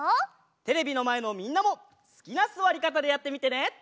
テレビのまえのみんなもすきなすわりかたでやってみてね！